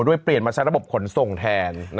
เปลี่ยนมาใช้ระบบขนส่งแทน